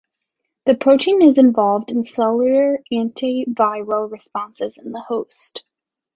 This protein is involved in cellular antiviral responses in the host.